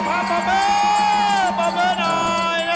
เอ่อเอ่อเอ่อเอ่อ